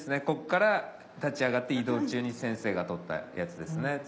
ここから立ち上がって移動中に先生が撮ったやつですね